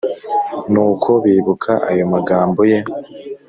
Nuko bibuka ayo magambo ye